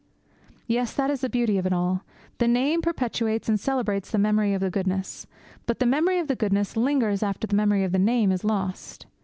_' Yes, that is the beauty of it all. The name perpetuates and celebrates the memory of the goodness; but the memory of the goodness lingers after the memory of the name is lost.